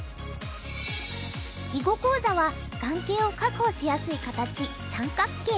囲碁講座は眼形を確保しやすい形三角形。